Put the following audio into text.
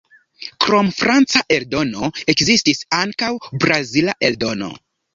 Krom franca eldono, ekzistis ankaŭ brazila eldono.